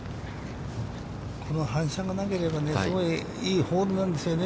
この反射がなければ、すごいいいホールなんですよね。